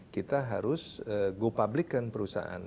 kita harus go public kan perusahaan